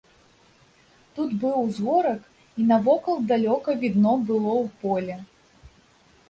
Тут быў узгорак, і навокал далёка відно было ў поле.